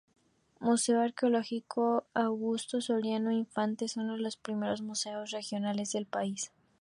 Museo arqueológico Augusto Soriano Infante: Es uno de los primeros museos regionales del país.